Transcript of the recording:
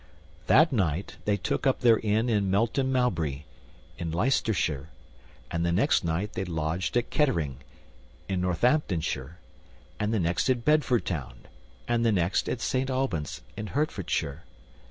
That night they took up their inn in Melton Mowbray, in Leicestershire, and the next night they lodged at Kettering, in Northamptonshire; and the next at Bedford Town; and the next at St. Albans, in Hertfordshire.